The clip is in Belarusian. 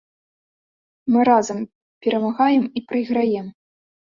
Мы разам перамагаем і прайграем.